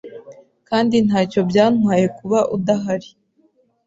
kandi ntacyo byantwaye kuba udahari